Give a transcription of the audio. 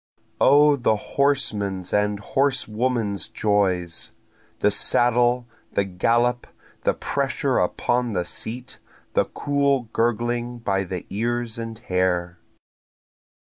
O the horseman's and horsewoman's joys! The saddle, the gallop, the pressure upon the seat, the cool gurgling by the ears and hair.